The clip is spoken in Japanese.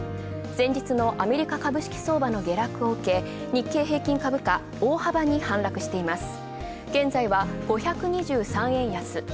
前日のアメリカ株式相場の下落を受け、日経平均株価大幅に反落しています。